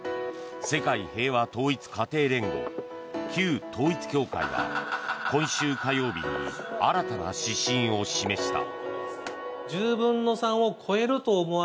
世界平和統一家庭連合旧統一教会は今週火曜日に新たな指針を示した。